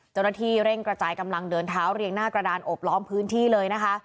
เจ้าหน้าที่เร่งกระจายกำลังเดินเท้าเรียงหน้ากระดานอบล้อมพื้นที่เลยนะคะ